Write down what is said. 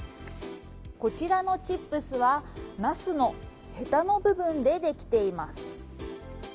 こちらのチップスはナスのヘタの部分でできています。